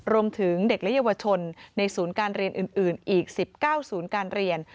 รวมถึงเด็กและเยาวชนในศูนย์การเรียนอื่นอีก๑๙ศูนย์การเรียน